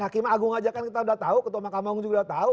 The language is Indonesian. hakim agung aja kan kita udah tahu ketua mahkamah agung juga udah tahu